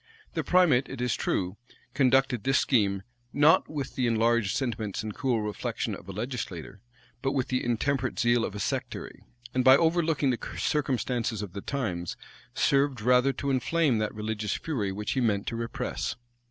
The primate, it is true, conducted this scheme, not with the enlarged sentiments and cool reflection of a legislator, but with the intemperate zeal of a sectary; and by over looking the circumstances of the times, served rather to inflame that religious fury which he meant to repress.